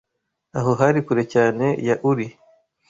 Aho hari kure cyane ya Uri